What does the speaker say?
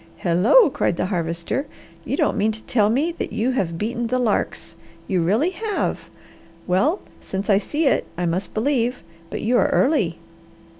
"Hello!" cried the Harvester. "You don't mean to tell me that you have beaten the larks! You really have! Well since I see it, I must believe, but you are early.